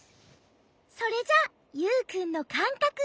それじゃユウくんのかんかくへ。